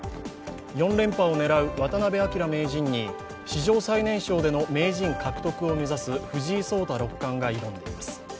４連覇を狙う渡辺明名人に史上最年少での名人獲得を目指す藤井聡太六冠が挑んでいます。